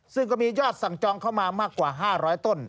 ซึ่งก็มียอดสั่งจองเข้ามามากกว่า๕๐๐ต้น